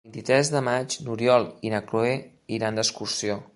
El vint-i-tres de maig n'Oriol i na Cloè iran d'excursió.